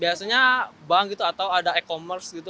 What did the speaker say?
biasanya bank gitu atau ada e commerce gitu